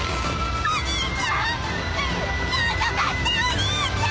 お兄ちゃん！